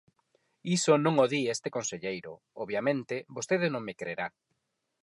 Iso non o di este conselleiro; obviamente, vostede non me crerá.